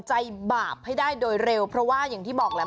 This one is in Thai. บาปให้ได้โดยเร็วเพราะว่าอย่างที่บอกแหละ